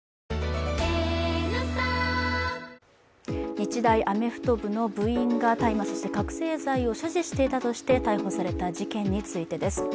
日大アメフト部の部員が大麻そして覚醒剤を所持していたとして逮捕された事件についてです。